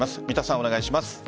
三田さん、お願いします。